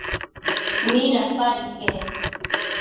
¿midapad iquec?